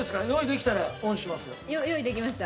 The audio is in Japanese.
用意できました。